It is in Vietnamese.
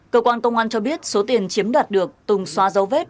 cơ quan công an cho biết số tiền chiếm đoạt được tùng xóa dấu vết